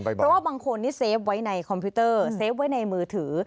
เพราะว่าบางคนนี่เซฟไว้ในคอมพิวเตอร์เซฟไว้ในมือถือ